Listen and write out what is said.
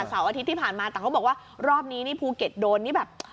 เสาร์อาทิตย์ที่ผ่านมาแต่เขาบอกว่ารอบนี้นี่ภูเก็ตโดนนี่แบบ